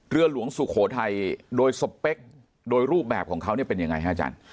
เรือหลวงสุโขทัยโดยสเปคโดยรูปแบบของเขาเนี่ยเป็นยังไงฮะอาจารย์